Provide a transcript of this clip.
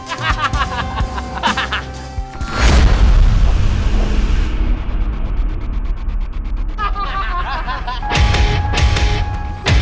ya ampun ya ampun